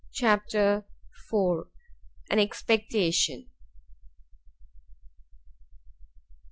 CHAPTER iv AN EXPECTATION.